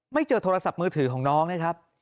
เจอโทรศัพท์มือถือของน้องนะครับ